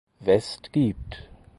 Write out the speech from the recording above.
West gibt.